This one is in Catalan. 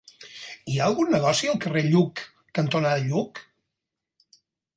Hi ha algun negoci al carrer Lluc cantonada Lluc?